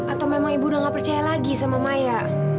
atau memang ibu udah gak percaya lagi sama maya